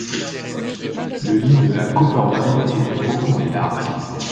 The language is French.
Le lit de la Coppermine était profond et large.